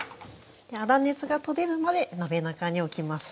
粗熱が取れるまで鍋中におきます。